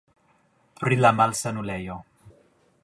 Pri la malsanulejo.